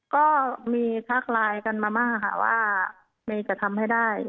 ก็มีทักไลน์กันมามากค่ะว่าเมย์จะทำให้ได้